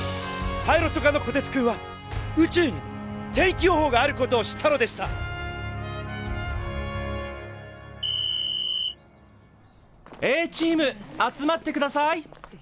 パイロット科のこてつくんは宇宙にも天気予報があることを知ったのでしたＡチーム集まってください！